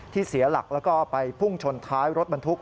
เสียหลักแล้วก็ไปพุ่งชนท้ายรถบรรทุก